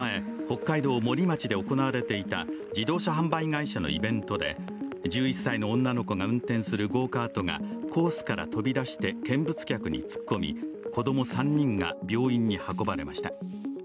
昨日正午前、北海道森町で行われていた自動車販売会社のイベントで１１歳の女の子が運転するゴーカートがコースから飛び出して見物客に突っ込み子供３人が病院に運ばれました。